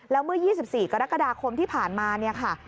แล้วเมื่อ๒๔กรกฎาคมที่ผ่านมาเนี่ยค่ะ